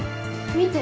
見て。